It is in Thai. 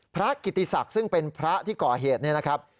พระกิติศักดิ์ซึ่งเป็นพระที่ก่อเหตุเนี่ยนะครับ